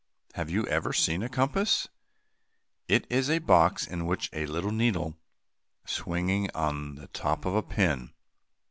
Have you ever seen a compass? It is a box in which is a little needle swinging on the top of a pin.